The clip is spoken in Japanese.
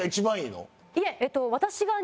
いえ。